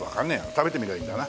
食べてみりゃいいんだな。